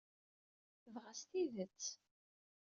Dɣa s tidett?